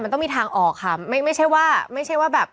มันต้องมีทางออกค่ะไม่ใช่ว่าไม่ใช่ว่าแบบ